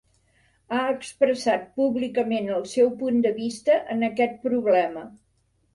Ha expressat públicament el seu punt de vista en aquest problema.